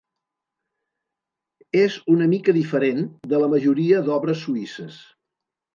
És una mica diferent de la majoria d'obres suïsses.